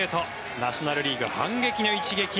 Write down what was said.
ナショナル・リーグ反撃の一撃。